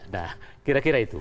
nah kira kira itu